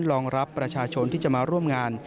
รองรับประชาชนที่จะมาร่วมงาน